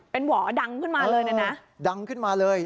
เป็นหว่อดังขึ้นมาเลยนะดังขึ้นมาเลย